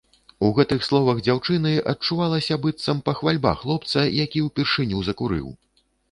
У гэтых словах дзяўчыны адчувалася быццам пахвальба хлопца, які ўпершыню закурыў.